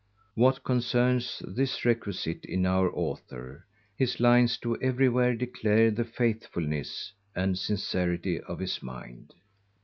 What concerneth this requisite in our Author, his lines do everywhere declare the faithfulness and sincerity of his mind.